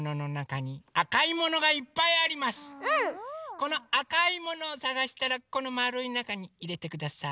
このあかいものをさがしたらこのまるいなかにいれてください。